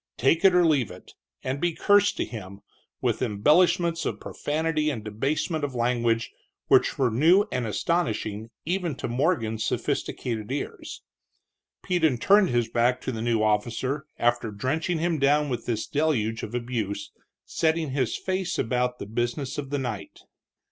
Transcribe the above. Take it or leave it, and be cursed to him, with embellishments of profanity and debasement of language which were new and astonishing even to Morgan's sophisticated ears. Peden turned his back to the new officer after drenching him down with this deluge of abuse, setting his face about the business of the night.